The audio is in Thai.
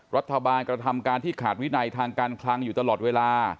กระทำการที่ขาดวินัยทางการคลังอยู่ตลอดเวลา